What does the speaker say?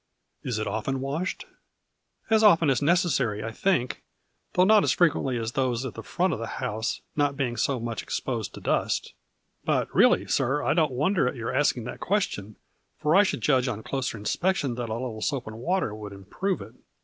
" Is it often washed ?"" As often as necessary, I think, though not as frequently as those at the front of the house, 4 50 A FLURRY IN DIAMONDS. not being so much exposed to dust. But really, sir, I don't wonder at your asking that question, for I should judge on closer inspection that a little soap and water would improve it."